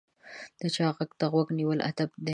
د چا غږ ته غوږ نیول ادب دی.